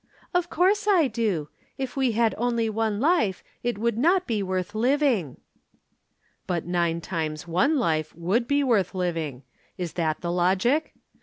"Of course I do. If we had only one life, it would not be worth living." "But nine times one life would be worth living. Is that the logic?